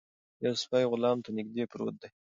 یو سپی غلام ته نږدې پروت دی.